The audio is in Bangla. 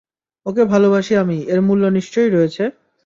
ওকে ভালোবাসি আমি, এর মূল্য নিশ্চয়ই রয়েছে!